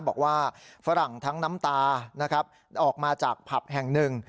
ฝรั่งทั้งน้ำตานะครับออกมาจากผับแห่งหนึ่ง